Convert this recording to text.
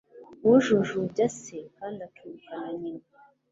ujujubya se kandi akirukana nyina